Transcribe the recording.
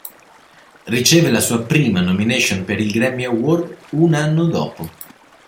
Riceve la sua prima nomination per il Grammy Award un anno dopo.